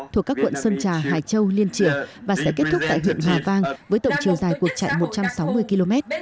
thuộc các quận sơn trà hải châu liên triển và sẽ kết thúc tại huyện hòa vang với tổng chiều dài cuộc chạy một trăm sáu mươi km